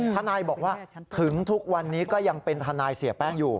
ทนายบอกว่าถึงทุกวันนี้ก็ยังเป็นทนายเสียแป้งอยู่